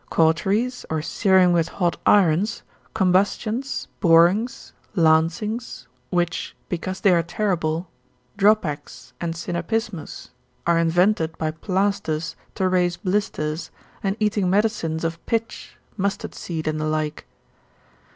Cauteries, or searing with hot irons, combustions, borings, lancings, which, because they are terrible, Dropax and Sinapismus are invented by plasters to raise blisters, and eating medicines of pitch, mustard seed, and the like.